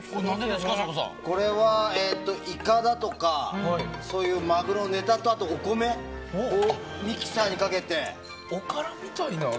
これは、イカだとかそういうマグロのネタとあとはお米をミキサーにかけて。